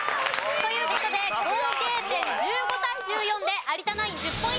という事で合計点１５対１４で有田ナイン１０ポイント獲得です。